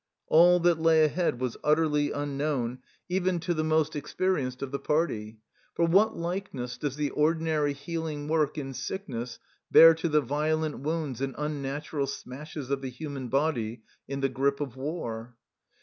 All that lay ahead was utterly unknown even to the most 8 THE CELLAR HOUSE OF PERVYSE experienced of the party, for what likeness does the ordinary healing work in sickness bear to the violent wounds and unnatural smashes of the human body in the grip of war